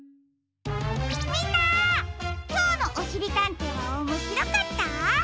みんなきょうの「おしりたんてい」はおもしろかった？